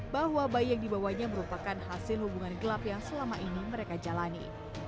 bahwa bayi yang dibawanya merupakan hasil hubungan gelap yang selama ini mereka jalani